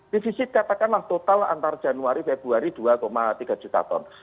defisit katakanlah total antar januari februari dua tiga juta ton